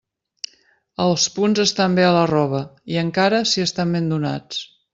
Els punts estan bé a la roba, i encara si estan ben donats.